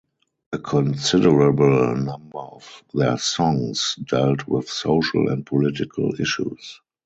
A considerable number of their songs dealt with social and political issues.